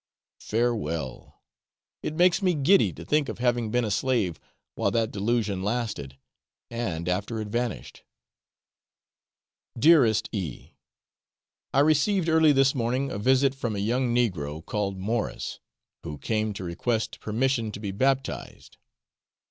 Farewell; it makes me giddy to think of having been a slave while that delusion lasted, and after it vanished. Dearest E . I received early this morning a visit from a young negro, called Morris, who came to request permission to be baptised.